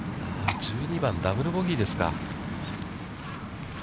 １２番、ダブル・ボギーですか。